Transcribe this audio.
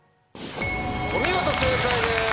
お見事正解です！